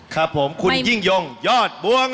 ครับผมคุณยิ่งยงยอดบวง